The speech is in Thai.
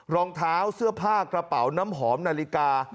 รองเท้าเสื้อผ้ากระเป๋าน้ำหอมนาฬิกา